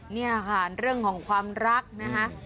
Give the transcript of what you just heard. นี่ค่ะเรื่องของความรักนะคะ